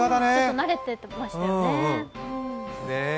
慣れてましたよね。